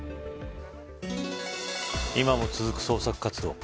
今も続く捜索活動。